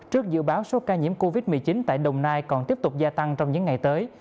trước dự báo số ca nhiễm covid một mươi chín tại đồng nai còn tiếp tục gia tăng trong những ngày tới